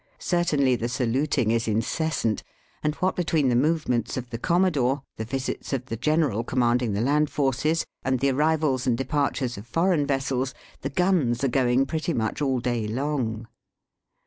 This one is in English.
Certainly the saluting is incessant, and what between the movements of the commodore, the visits of the general commanding the land forces, and the arrivals and departures of foreign vessels, the guns are going pretty much all day long.